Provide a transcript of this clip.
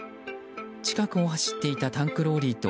近くを走っていたタンクローリーと